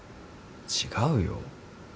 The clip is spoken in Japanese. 違うよ。